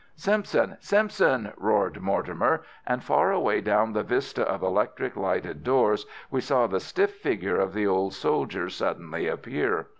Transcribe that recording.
"Simpson! Simpson!" roared Mortimer, and far away down the vista of electric lighted doors we saw the stiff figure of the old soldier suddenly appear.